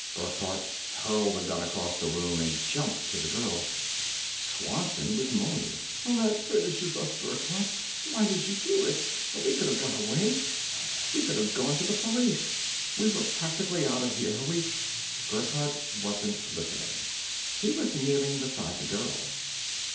Burckhardt hurled the gun across the room and jumped to the girl. Swanson was moaning. "That finishes us, Burckhardt. Oh, why did you do it? We could have got away. We could have gone to the police. We were practically out of here! We " Burckhardt wasn't listening. He was kneeling beside the girl.